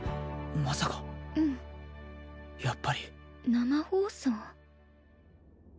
まさかうんやっぱり生放送？